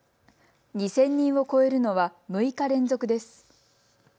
２０００人を超えるのは６日連続です。